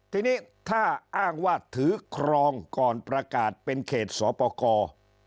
ทีนี้ถ้าอ้างว่าถือครองก่อนประกาศเป็นเขตสอปกร